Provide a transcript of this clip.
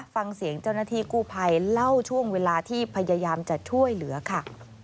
ฟังเสียงเจ้าหน้าที่กู้ภัยเล่าช่วงเวลาที่พยายามจะช่วยเหลือค่ะ